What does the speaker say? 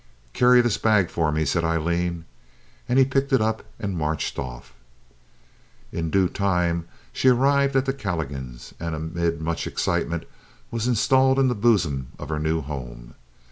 "Carry this bag for me," said Aileen, and he picked it up and marched off. In due time she arrived at the Calligans', and amid much excitement was installed in the bosom of her new home.